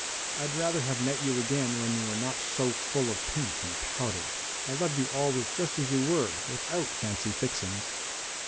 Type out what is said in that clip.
I'd rather have met you again when you were not so full of paint and powder. I loved you always just as you were, without fancy fixings."